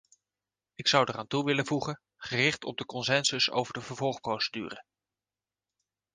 Ik zou daar aan toe willen voegen: gericht op consensus over de vervolgprocedure.